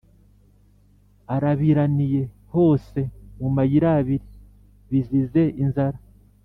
arabiraniye hose mu mayirabiri, bizize inzara.